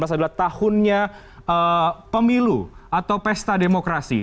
dua ribu sembilan belas adalah tahunnya pemilu atau pesta demokrasi